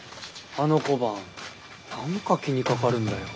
あの小判何か気にかかるんだよ。